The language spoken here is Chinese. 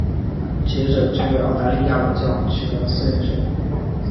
接着这位澳大利亚老将取得了四连胜。